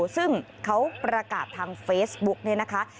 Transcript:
ซึ่งเขาประกาศทางเฟซบุ๊กเนี่ยนะคะ